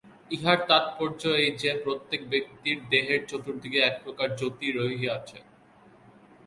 ইহার তাৎপর্য এই যে, প্রত্যেক ব্যক্তির দেহের চতুর্দিকে এক প্রকার জ্যোতি রহিয়াছে।